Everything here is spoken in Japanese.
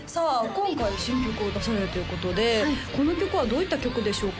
今回新曲を出されるということでこの曲はどういった曲でしょうか？